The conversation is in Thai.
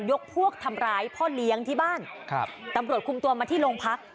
ยกพวกทำร้ายพ่อเลี้ยงที่บ้านครับตำรวจคุมตัวมาที่โรงพัก